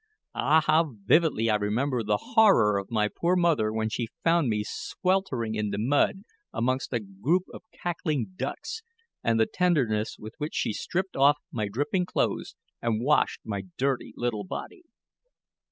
Ah, how vividly I remember the horror of my poor mother when she found me sweltering in the mud amongst a group of cackling ducks, and the tenderness with which she stripped off my dripping clothes and washed my dirty little body!